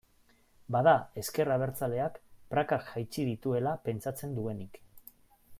Bada ezker abertzaleak prakak jaitsi dituela pentsatzen duenik.